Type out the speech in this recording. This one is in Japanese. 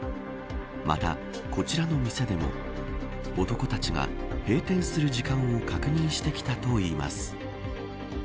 また、こちらの店でも男たちが閉店する時間を確認してきたといいます。